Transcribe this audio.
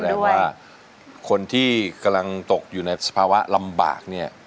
แต่ว่าคนที่กำลังตกอยู่ในสภาวะลำบากเนี่ย